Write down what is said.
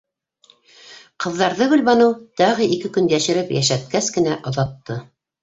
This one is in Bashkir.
Ҡыҙҙарҙы Гөлбаныу тағы ике көн йәшереп йәшәткәс кенә оҙатты.